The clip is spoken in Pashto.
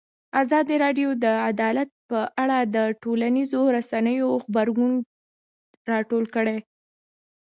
ازادي راډیو د عدالت په اړه د ټولنیزو رسنیو غبرګونونه راټول کړي.